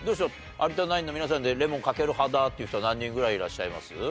有田ナインの皆さんでレモンかける派だっていう人は何人ぐらいいらっしゃいます？